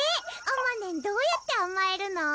あまねんどうやってあまえるの？